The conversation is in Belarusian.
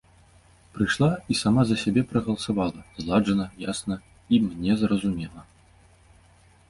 Прыйшла і сама за сябе прагаласавала, зладжана, ясна і мне зразумела.